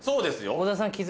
小田さん。